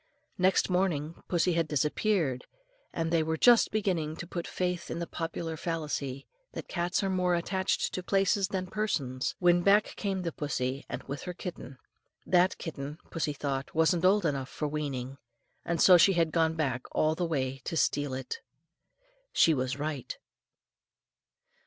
Next morning pussy had disappeared, and they were just beginning to put faith in the popular fallacy that cats are more attached to places than persons, when back came pussy, and with her her kitten. That kitten, pussy thought, wasn't old enough for weaning, and so she had gone back all the way to steal it. She was right.